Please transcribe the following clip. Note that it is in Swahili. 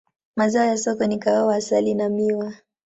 Mazao ya soko ni kahawa, asali na miwa.